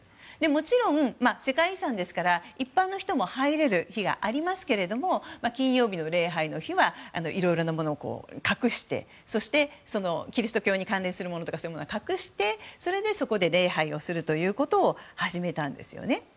もちろん世界遺産ですから一般の人も入れる日がありますが金曜日の礼拝の日はいろいろなものを隠してそしてキリスト教に関連するものとかは隠してそれで、そこで礼拝をするということを始めたんですよね。